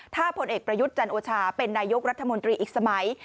ถ้าพลเอกประยุทธ์จันโอชาเป็นนายกรัฐมนตรีอีกสมัย